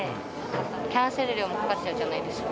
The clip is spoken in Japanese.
キャンセル料もかかっちゃうじゃないですか。